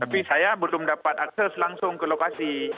tapi saya belum dapat akses langsung ke lokasi